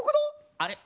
あれ？